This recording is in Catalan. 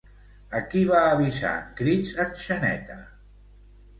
A qui va avisar en crits en Xaneta?